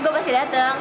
gue pasti dateng